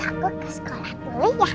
aku ke sekolah dulu yang